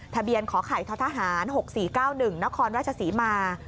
ทะเบียนขอข่ายทหาร๖๔๙๑นครราชสีมา